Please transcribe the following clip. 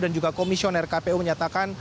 dan juga komisioner kpu menyatakan